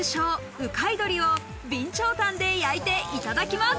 うかい鶏を備長炭で焼いていただきます